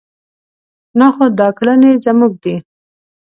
نه خو دا کړنې زموږ دي.